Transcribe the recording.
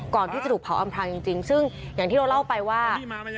ก่อนที่จะถูกเผาอำพลางจริงซึ่งอย่างที่เราเล่าไปว่า